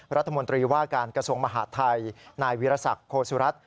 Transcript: รัฐมนตรีว่าการกระทรวงมหาดไทยนายวิรสักโคสุรัตน